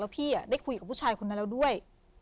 พี่ได้คุยกับผู้ชายคนนั้นแล้วด้วย